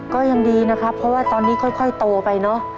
ก็ยังดีนะครับเพราะว่าตอนนี้ค่อยโตไปเนอะ